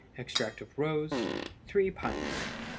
Extract of rose 3 pints.